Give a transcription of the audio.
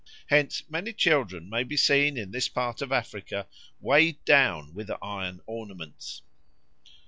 Hence many children may be seen in this part of Africa weighed down with iron ornaments.